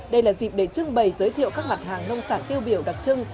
đây là dịp để trưng bày giới thiệu các mặt hàng nông sản tiêu biểu đặc trưng